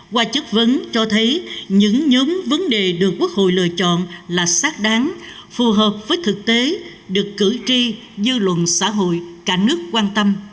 qua chất vấn cho thấy những nhóm vấn đề được quốc hội lựa chọn là xác đáng phù hợp với thực tế được cử tri dư luận xã hội cả nước quan tâm